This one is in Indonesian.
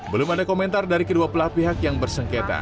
belum ada komentar dari kedua belah pihak yang bersengketa